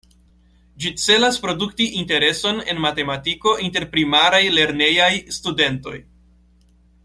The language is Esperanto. Ĝi celas produkti intereson en matematiko inter Primaraj lernejaj studentoj.